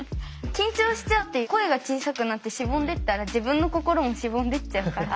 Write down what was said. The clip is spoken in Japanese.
緊張しちゃって声が小さくなってしぼんでいったら自分の心もしぼんでいっちゃうから。